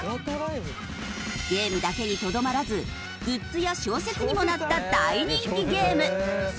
ゲームだけにとどまらずグッズや小説にもなった大人気ゲーム。